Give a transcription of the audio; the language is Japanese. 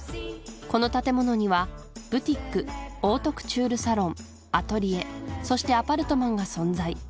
この建物にはブティックオートクチュールサロンアトリエそしてアパルトマンが存在